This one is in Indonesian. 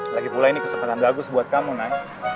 lagipula ini kesempatan bagus buat kamu nay